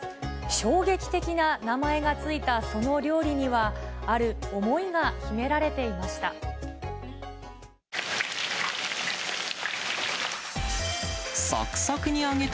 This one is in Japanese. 衝撃的な名前が付いたその料理には、ある思いが秘められていました。